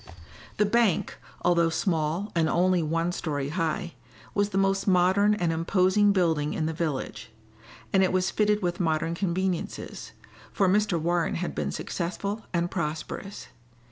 The bank, although small and only one story high, was the most modern and imposing building in the village; and it was fitted with modern conveniences, for Mr. Warren had been successful and prosperous.